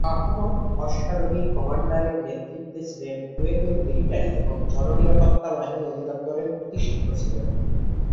আহমদ অশ্বারোহী কমান্ডারের নেতৃত্বে ছিলেন, কুয়েতের মিলিটারি এবং জন নিরাপত্তা বাহিনী অধিদপ্তরের প্রতিষ্ঠাতা ছিলেন।